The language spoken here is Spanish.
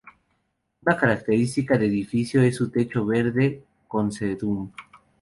Una característica de edificio es su techo verde con Sedum.